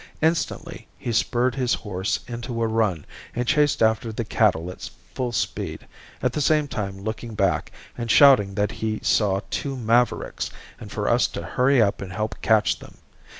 Instantly he spurred his horse into a run and chased after the cattle at full speed, at the same time looking back and shouting that he saw two mavericks and for us to hurry up and help catch them.